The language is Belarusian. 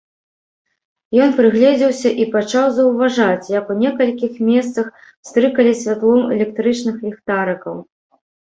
Ён прыгледзеўся і пачаў заўважаць, як у некалькіх месцах пстрыкалі святлом электрычных ліхтарыкаў.